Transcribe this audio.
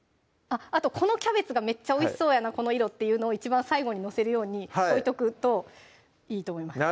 あとこのキャベツがめっちゃおいしそうこの色っていうのを一番最後に載せるように置いとくといいと思います